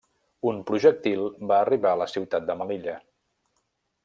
Un projectil va arribar a la ciutat de Melilla.